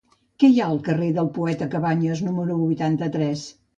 Què hi ha al carrer del Poeta Cabanyes número vuitanta-tres?